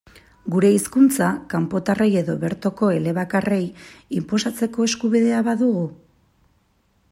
Gure hizkuntza, kanpotarrei edo bertoko elebakarrei, inposatzeko eskubidea badugu?